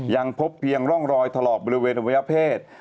ยังพบเพียงร่องรอยถลอกบริเวณอวัยวเพศ